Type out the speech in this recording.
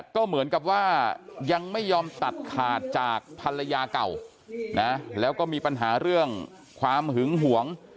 ก็เหมือนกับว่ายังไม่ยอมตัดขาดจากภรรยาเก่านะแล้วก็มีปัญหาเรื่องความหึงหวง